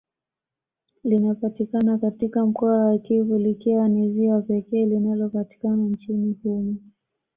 Linapatikana katika mkoa wa Kivu likiwa ni ziwa pekee linalopatikana nchini humo